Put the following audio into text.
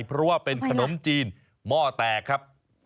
เพราะว่าเป็นขนมจีนหม้อแตกครับ